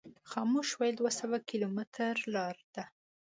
خاموش ویلي دوه سوه کیلومتره لار ده.